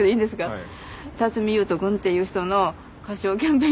はい。